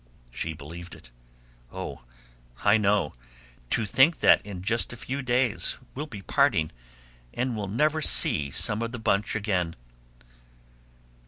She believed it. "Oh, I know! To think that in just a few days we'll be parting, and we'll never see some of the bunch again!"